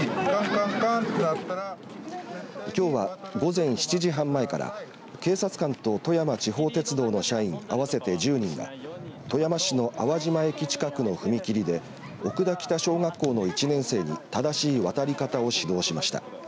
きょうは午前７時半前から警察官と富山地方鉄道の社員合わせて１０人が富山市の粟島駅近くの踏切で奥田北小学校の１年生に正しい渡り方を指導しました。